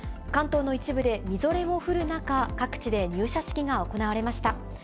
関東の一部でみぞれも降る中、各地で入社式が行われました。